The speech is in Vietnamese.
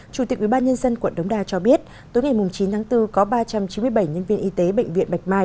chủ tịch ubnd quận đống đa cho biết tối ngày chín tháng bốn có ba trăm chín mươi bảy nhân viên y tế bệnh viện bạch mai